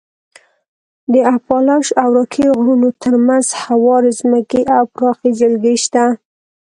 د اپالاش او راکي غرونو تر منځ هوارې ځمکې او پراخې جلګې شته.